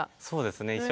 そうですね。